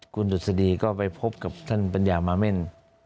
คุณดุษฎีก็ไปพบกับท่านปัญญามาเม่น